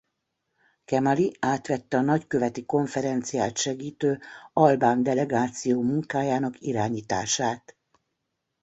Qemali átvette a nagyköveti konferenciát segítő albán delegáció munkájának irányítását.